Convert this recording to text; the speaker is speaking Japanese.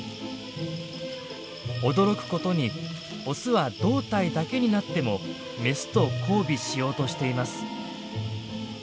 驚くことにオスは胴体だけになってもメスと交尾しようとしています。